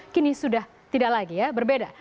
kini sudah tidak lagi ya berbeda